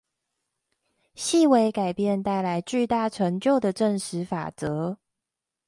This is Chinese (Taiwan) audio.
細微改變帶來巨大成就的實證法則